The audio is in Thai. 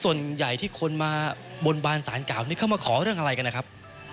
ส่วนใหญ่ที่คนมาบนบานสารเก่านี้เข้ามาขอเรื่องอะไรกันนะครับ